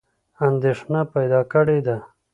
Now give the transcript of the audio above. اندېښنه پیدا کړې ده.